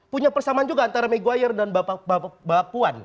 punya persamaan juga antara meguire dan mbak puan